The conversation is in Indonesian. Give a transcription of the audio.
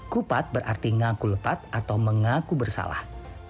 kupat berarti ngaku lepat atau mengaku bersalah